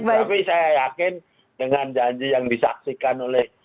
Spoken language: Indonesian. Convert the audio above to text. tapi saya yakin dengan janji yang disaksikan oleh